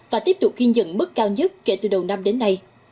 và tiếp tục ghi nhận mức cao nhất kể từ đầu năm đến nay